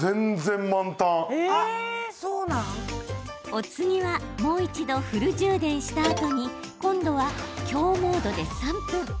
お次はもう一度フル充電したあとに今度は強モードで３分。